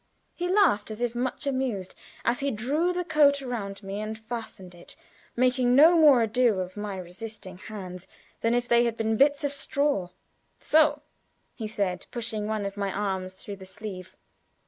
he laughed, as if much amused, as he drew the coat around me and fastened it, making no more ado of my resisting hands than if they had been bits of straw. "So!" said he, pushing one of my arms through the sleeve.